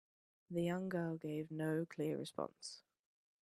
The young girl gave no clear response.